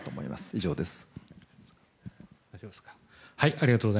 以上です。